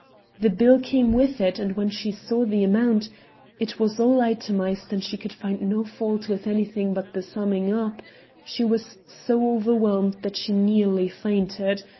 The bill came with it and when she saw the amount it was all itemized and she could find no fault with anything but the summing up she was so overwhelmed that she nearly fainted.